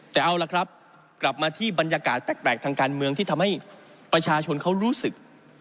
แต่เอาล่ะครับกลับมาที่บรรยากาศแปลกทางการเมืองที่ทำให้ประชาชนเขารู้สึก